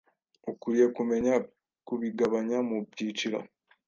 ukwiye kumenya kubigabanya mu byiciro